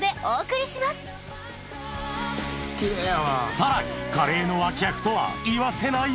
さらにカレーの脇役とは言わせない！